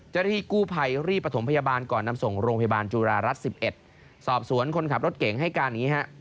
เจ้าหน้าที่กู้ภัยรีบประถมพยาบาลก่อนนำส่งโรงพยาบาลจุฬารัฐ๑๑สอบสวนคนขับรถเก่งให้การอย่างนี้ฮะ